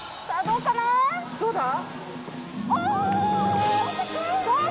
どうだ？